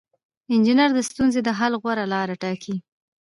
انجینر د ستونزې د حل غوره لاره ټاکي.